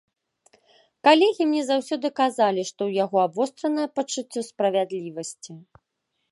Калегі мне заўсёды казалі, што ў яго абвостранае пачуццё справядлівасці.